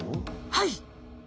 はい！